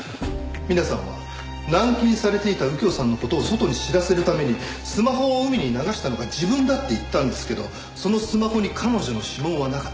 ミナさんは軟禁されていた右京さんの事を外に知らせるためにスマホを海に流したのが自分だって言ったんですけどそのスマホに彼女の指紋はなかった。